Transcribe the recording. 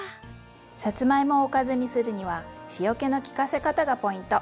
さつまいもをおかずにするには塩気の利かせ方がポイント。